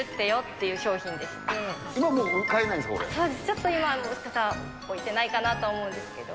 そうです、ちょっと今、もう置いてないかなと思うんですけれども。